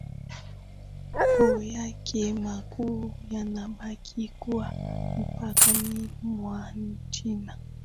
o yake makuu yanabaki kuwa mpakani mwa nchi ya